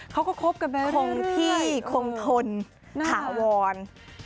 เขาก็คบกันแบบนั้นคงที่คงทนถาวร